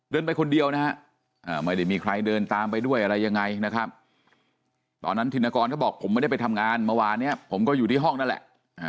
ไปคนเดียวนะฮะไม่ได้มีใครเดินตามไปด้วยอะไรยังไงนะครับตอนนั้นธินกรเขาบอกผมไม่ได้ไปทำงานเมื่อวานเนี่ยผมก็อยู่ที่ห้องนั่นแหละ